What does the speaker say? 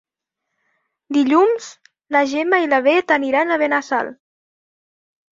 Dilluns na Gemma i na Bet aniran a Benassal.